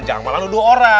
jangan malah nuduh orang